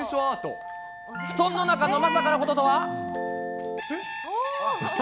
布団の中のまさかなこととは。